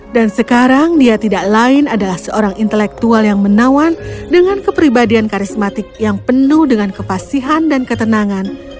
dan sekarang dia tidak lain adalah seorang intelektual yang menawan dengan kepribadian karismatik yang penuh dengan kepasihan dan ketenangan